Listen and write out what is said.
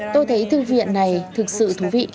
tôi thấy thư viện này thực sự thú vị